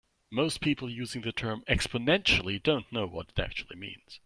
Most people using the term "exponentially" don't know what it actually means.